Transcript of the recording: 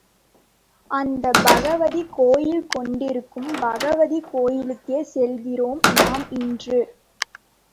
அந்த பகவதி கோயில் கொண்டிருக்கும் பகவதி கோயிலுக்கே செல்கிறோம் நாம் இன்று.